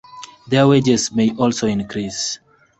Their wages may also increase.